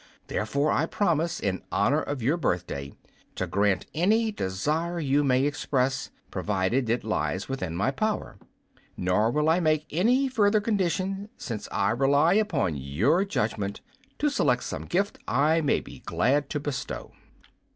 Therefore I promise, in honor of your birthday, to grant any desire you may express, provided it lies within my power. Nor will I make any further condition, since I rely upon your judgment to select some gift I may be glad to bestow."